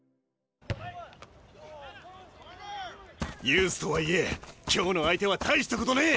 ユースとはいえ今日の相手は大したことねえ！